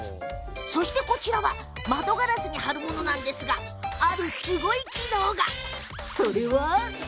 そして、こちらは窓ガラスに貼るものなんですがあるすごい機能が。